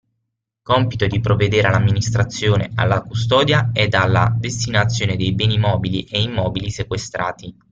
Compito di provvedere all'amministrazione, alla custodia ed alla destinazione dei beni mobili e immobili sequestrati.